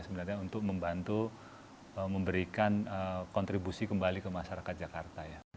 sebenarnya untuk membantu memberikan kontribusi kembali ke masyarakat jakarta ya